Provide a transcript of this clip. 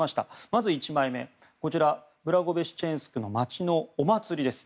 まず１枚目ブラゴベシチェンスクの街のお祭りです。